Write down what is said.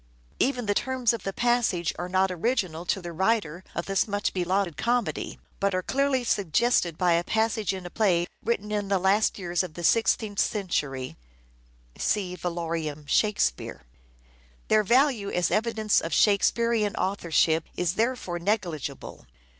Even the terms of the passage are not original to the writer of this much belauded comedy, but are clearly suggested by a passage in a play written in in the last years of the sixteenth century (see " Variorum Shakespeare "). Their value as evidence of Shakespearean authorship is therefore negligible.